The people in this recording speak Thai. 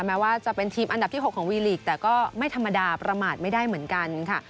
แม้ว่าจะเป็นทีมอันดับที่๖ของวีลีกแต่ก็ไม่ธรรมดาประมาทไม่ได้เหมือนกันค่ะ